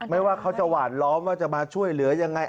ว่าเขาจะหวานล้อมว่าจะมาช่วยเหลือยังไง